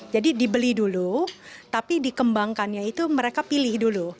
jadi dibeli dulu tapi dikembangkannya itu mereka pilih dulu